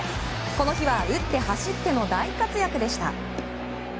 この日は打って走っての大活躍でした。